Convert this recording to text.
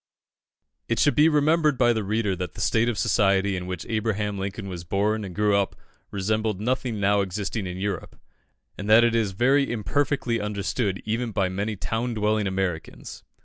It should be remembered by the reader that the state of society in which Abraham Lincoln was born and grew up resembled nothing now existing in Europe, and that it is very imperfectly understood even by many town dwelling Americans.